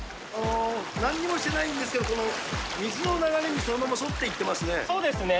なんにもしてないんですけど、この水の流れにそのまま沿っていそうですね。